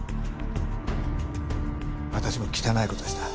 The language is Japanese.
私も汚い事はした。